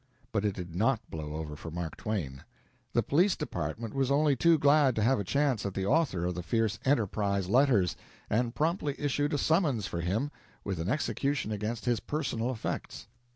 But it did not blow over for Mark Twain. The police department was only too glad to have a chance at the author of the fierce "Enterprise" letters, and promptly issued a summons for him, with an execution against his personal effects.